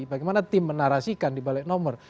bagaimana tim menarasikan dibalik nomor